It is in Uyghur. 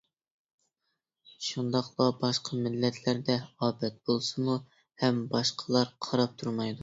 شۇنداقلا باشقا مىللەتلەردە ئاپەت بولسىمۇ ھەم باشقىلار قاراپ تۇرمايدۇ.